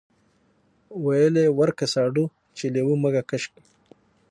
ول ورکه ساډو چې لېوه مږه کش کي.